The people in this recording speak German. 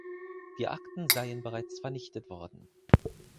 Die Akten seien bereits vernichtet worden.